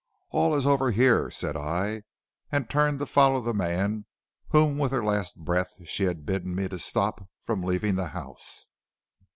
"'All is over here,' said I, and turned to follow the man whom with her latest breath she had bidden me to stop from leaving the house.